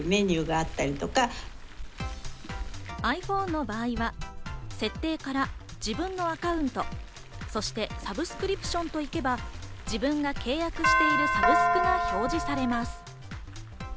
ｉＰｈｏｎｅの場合は設定から自分のアカウント、そしてサブスクリプションといけば、自分が契約しているサブスクが表示されます。